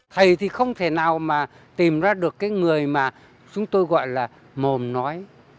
thầy thì không thể nào mà tìm ra được cái người mà chúng tôi gọi là mồm nói